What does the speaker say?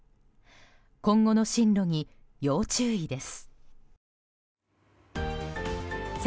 今後の進路に、要注意です。